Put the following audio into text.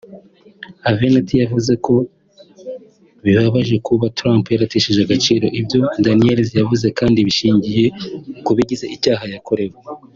Avenatti yavuze ko bibabaje kuba Trump yaratesheje agaciro ibyo Daniels yavuze kandi bishingiye ku bigize icyaha yakorewe